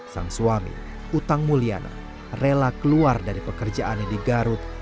sang suami utang mulyana rela keluar dari pekerjaannya di garut